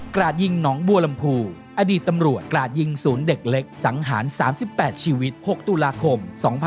ราดยิงหนองบัวลำพูอดีตตำรวจกราดยิงศูนย์เด็กเล็กสังหาร๓๘ชีวิต๖ตุลาคม๒๕๖๒